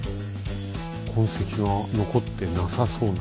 痕跡が残ってなさそうな。